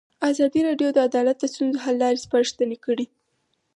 ازادي راډیو د عدالت د ستونزو حل لارې سپارښتنې کړي.